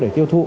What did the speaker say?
để tiêu thụ